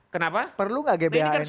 kenapa perlu enggak gbhn dalam